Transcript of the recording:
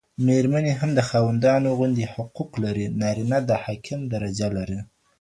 ميرمني هم د خاوندانو غوندي حقوق لري، نارينه د حاکم درجه لري